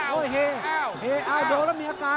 โดนท่องโดนท่องมีอาการ